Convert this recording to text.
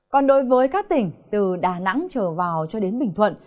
còn đối với các tỉnh từ đà nẵng trở vào cho đến bình thuận